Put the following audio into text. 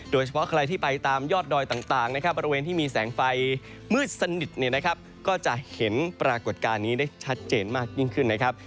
โดยเฉพาะใครที่ไปตามยอดดอยต่างนะครับบริเวณที่มีแสงไฟมืดสนิทเนี่ยนะครับก็จะเห็นปรากฏการณ์นี้ได้ชัดเจนมากยิ่งขึ้นนะครับ